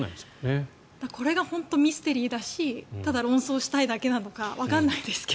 これが本当にミステリーだしただ、論争したいだけなのかわからないですけど。